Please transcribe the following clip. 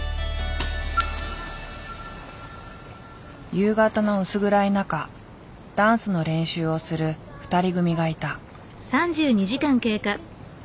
夕方の薄暗い中ダンスの練習をする２人組がいた。